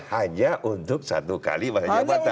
hanya untuk satu kali masa jabatan